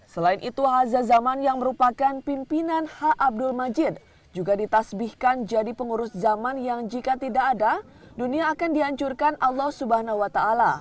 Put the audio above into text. selain itu haza zaman yang merupakan pimpinan h abdul majid juga ditasbihkan jadi pengurus zaman yang jika tidak ada dunia akan dihancurkan allah swt